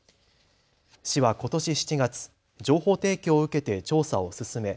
市はことし７月、情報提供を受けて調査を進め